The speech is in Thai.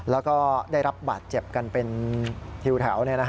แล้วก็ได้รับบาดเจ็บกันเป็นทิวแถว